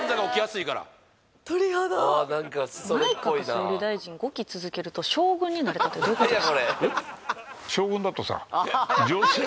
内閣総理大臣５期続けると将軍になれたってどういうことです？